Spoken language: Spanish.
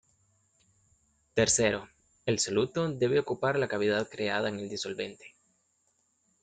Tercero, el soluto debe ocupar la cavidad creada en el disolvente.